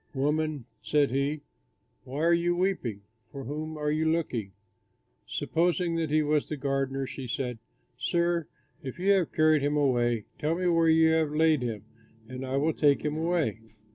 "Woman," said he, "Why are you weeping? For whom are you looking?" Supposing that he was the gardener, she said, "Sir, if you have carried him away, tell me where you have laid him, and I will take him away."